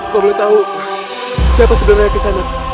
kau belum tau siapa sebenarnya kisah nak